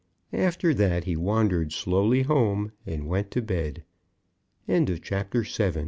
After that he wandered slowly home, and went to bed. CHAPTER VIII.